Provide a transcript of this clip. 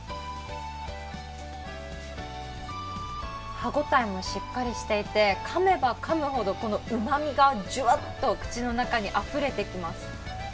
歯応えもしっかりしていて、かめばかむほどこのうまみがじゅわっと口の中にあふれてきます。